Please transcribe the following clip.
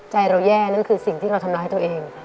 ใจเราแย่นั่นคือสิ่งที่เราทำร้ายตัวเอง